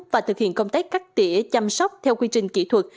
và thực hiện công tác cắt tỉa chăm sóc theo quy trình kỹ thuật